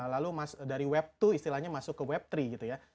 lalu dari web dua istilahnya masuk ke web tiga gitu ya